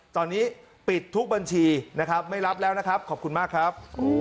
ตอนนี้ปิดทุกบัญชีนะครับไม่รับแล้วนะครับขอบคุณมากครับ